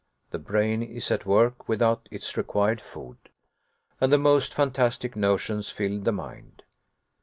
The brain is at work without its required food, and the most fantastic notions fill the mind.